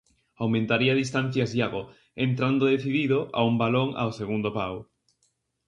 Aumentaría distancias Iago, entrando decidido a un balón ao segundo pau.